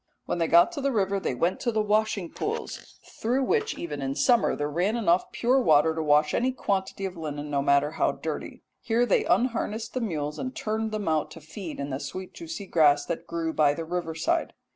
"When they got to the river they went to the washing pools, through which even in summer there ran enough pure water to wash any quantity of linen, no matter how dirty. Here they unharnessed the mules and turned them out to feed in the sweet juicy grass that grew by the river side.